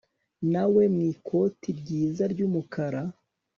nawe mwikoti ryiza ryumukara